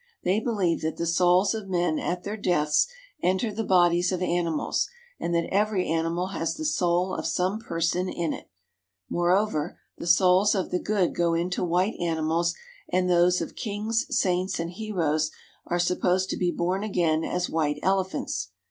They believe that the souls of men at their deaths enter the bodies of animals and that every animal has the soul of some person in it Moreover, the souls of the good go into white animals, and those of kings, saints, and heroes are supposed to be born again as white elephants.